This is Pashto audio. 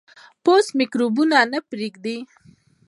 پوست میکروبونه نه پرېږدي.